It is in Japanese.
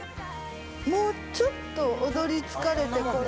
もうちょっと踊り疲れてから。